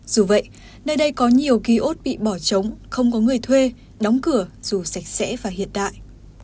dù vậy nơi đây có nhiều ký ốt bị bỏ trống không có người thuê đóng cửa dù sạch sẽ và hiện đại